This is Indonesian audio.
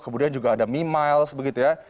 kemudian juga ada me miles begitu ya